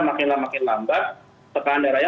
makinlah makin lambat tekanan darahnya